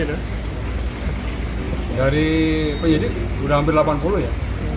dari penyidik sudah hampir delapan puluh ya